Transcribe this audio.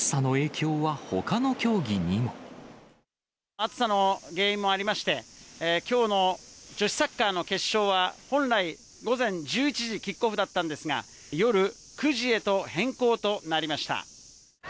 暑さの原因もありまして、きょうの女子サッカーの決勝は、本来、午前１１時キックオフだったんですが、夜９時へと変更となりました。